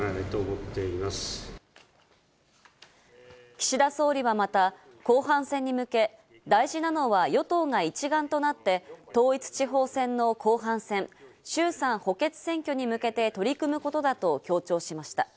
岸田総理はまた、後半戦に向け、大事なのは与党が一丸となって統一地方選の後半戦、衆参補欠選挙に向けて取り組むことだと強調しました。